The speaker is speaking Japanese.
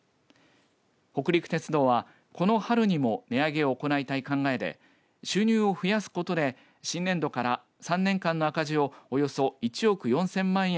北陸鉄道はこの春にも値上げを行いたい考えで収入を増やすことで新年度から３年間の赤字をおよそ１億４０００万円